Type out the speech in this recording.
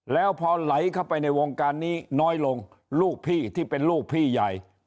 แล้วพอไหลเข้าไปในวงการนี้น้อยลงลูกพี่ที่เป็นลูกพี่ใหญ่